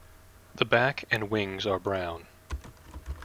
The back and wings are brown.